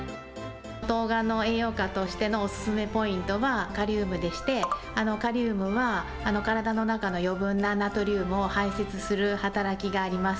とうがんの栄養価としてのお勧めポイントは、カリウムでして、カリウムは、体の中の余分なナトリウムを排出する働きがあります。